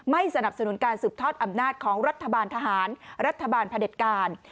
สนับสนุนการสืบทอดอำนาจของรัฐบาลทหารรัฐบาลพระเด็จการ